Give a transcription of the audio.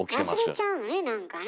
忘れちゃうのね何かね。